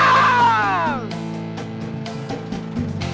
tanah tanah tanah